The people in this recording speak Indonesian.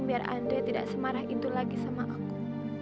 biar anda tidak semarah itu lagi sama aku